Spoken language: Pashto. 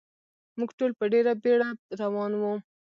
موږ ټول په ډېره بېړه روان و.